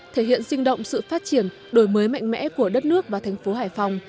thể hiện sinh động sự phát triển đổi mới mạnh mẽ của đất nước và thành phố hải phòng